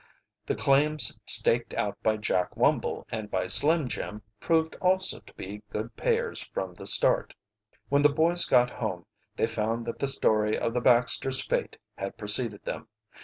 The claims staked out by Jack Wumble and by Slim Jim proved also to be good payers from the start. When the boys got home they found that the story of the Baxters' fate had preceded them.